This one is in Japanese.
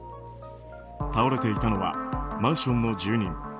倒れていたのはマンションの住人